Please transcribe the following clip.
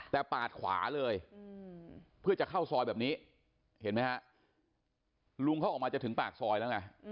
แต่ปาดขวาเลยเพื่อจะเข้าซอยแบบนี้เห็นไหมฮะลุงเขาออกมาจะถึงปากซอยแล้วไง